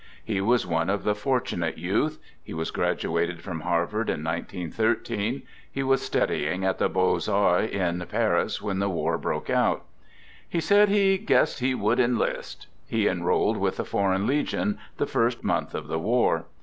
He was one of the fortunate youth. He was graduated from Harvard in 1913 He was studying at the Beaux Arts in Paris when the war broke out. He said he " guessed he would enlist." He enrolled with the Foreign Legion the first month of the war.